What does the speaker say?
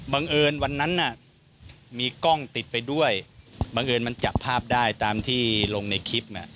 เอิญวันนั้นมีกล้องติดไปด้วยบังเอิญมันจับภาพได้ตามที่ลงในคลิป